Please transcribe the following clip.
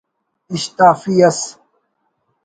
اِشتافی ئس